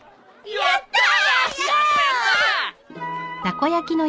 やったー！